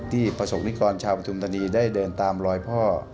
ประสงค์นิกรชาวประทุมธานีได้เดินตามรอยพ่อ